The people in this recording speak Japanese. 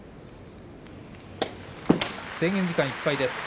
制限時間いっぱいです。